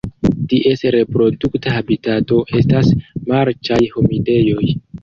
Ties reprodukta habitato estas marĉaj humidejoj.